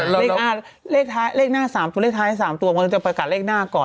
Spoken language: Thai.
เลขท้ายเลขหน้า๓ตัวเลขท้าย๓ตัวมันจะประกาศเลขหน้าก่อน